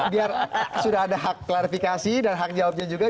biar sudah ada hak klarifikasi dan hak jawabnya juga